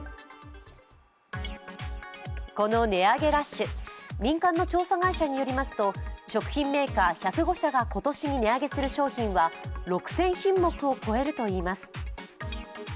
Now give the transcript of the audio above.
この値上げラッシュ、民間の調査会社によりますと食品メーカー１０５社が今年値上げする商品は６０００品目を超えるといいます。